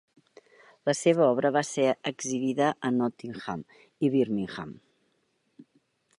La seva obra va ser exhibida a Nottingham i Birmingham.